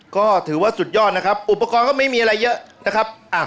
ก็ถือว่าสุดยอดนะครับอุปกรณ์ก็ไม่มีอะไรเยอะนะครับ